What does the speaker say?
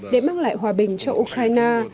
để mang lại hòa bình cho ukraine